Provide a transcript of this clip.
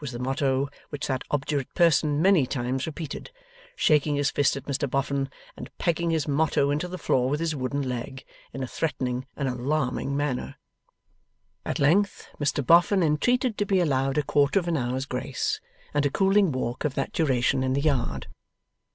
was the motto which that obdurate person many times repeated; shaking his fist at Mr Boffin, and pegging his motto into the floor with his wooden leg, in a threatening and alarming manner. At length, Mr Boffin entreated to be allowed a quarter of an hour's grace, and a cooling walk of that duration in the yard.